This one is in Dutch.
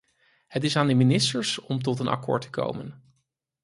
Het is aan de ministers om tot een akkoord te komen.